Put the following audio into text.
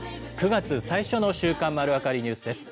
９月最初の週刊まるわかりニュースです。